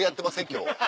今日。